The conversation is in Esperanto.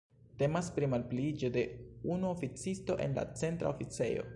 Temas pri malpliiĝo de unu oficisto en la Centra Oficejo.